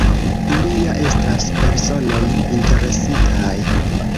Ili ja estas personoj interesitaj.